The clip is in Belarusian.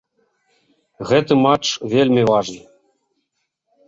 Гэты матч вельмі важны.